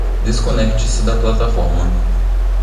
Desconecte-se da plataforma